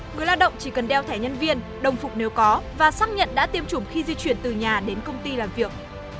người lao động chỉ cần đeo thẻ nhân viên đồng phục nếu có và xác nhận đã tiêm chủng khi di chuyển từ nhà đến công ty làm việc